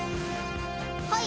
「はい」